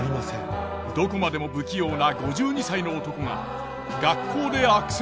どこまでも不器用な５２歳の男が学校で悪戦苦闘。